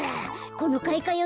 このかいかよ